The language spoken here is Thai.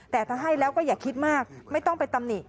แต่ถ้าให้แล้วก็อย่าคิดมากไม่ต้องไปตำหนิ